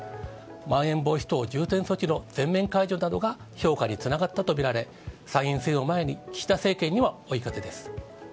まん延防止等重点措置の全面解除などが評価につながったと見られ、参院選を前に岸田政権には追い風です。